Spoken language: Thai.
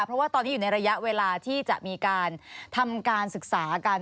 เพราะว่าตอนนี้อยู่ในระยะเวลาที่จะมีการทำการศึกษากัน